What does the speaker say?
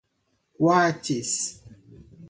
Quatis